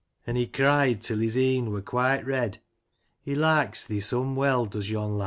An* he cried till his e'en were quite red — He likes thee some weel, does yon lad